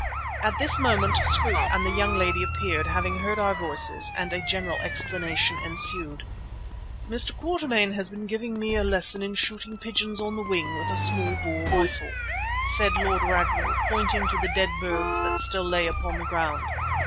At this moment Scroope and the young lady appeared, having heard our voices, and a general explanation ensued. "Mr. Quatermain has been giving me a lesson in shooting pigeons on the wing with a small bore rifle," said Lord Ragnall, pointing to the dead birds that still lay upon the ground.